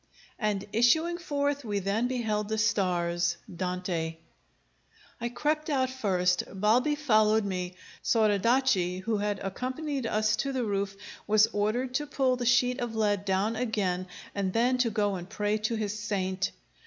"And issuing forth we then beheld the stars." DANTE. I crept out first; Balbi followed me. Soradaci, who had accompanied us to the roof, was ordered to pull the sheet of lead down again and then to go and pray to his saint.